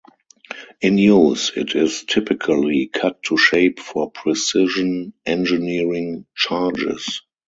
In use, it is typically cut to shape for precision engineering charges.